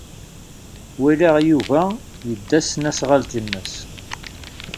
Walaɣ Yuba yedda s tesnasɣalt-nnes.